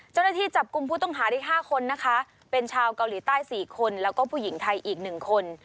เจ้าหน้าที่จับกลุ่มผู้ต้องหาได้๕คนนะคะเป็นชาวเกาหลีใต้๔คนแล้วก็ผู้หญิงไทยอีก๑คน